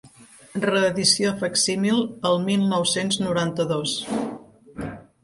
Reedició facsímil el mil nou-cents noranta-dos.